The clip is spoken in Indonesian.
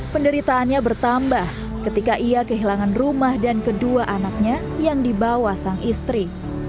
penderitaannya bertambah ketika ia kehilangan rumah dan kedua anaknya yang dibawa sang istri